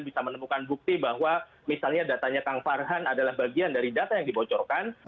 bisa menemukan bukti bahwa misalnya datanya kang farhan adalah bagian dari data yang dibocorkan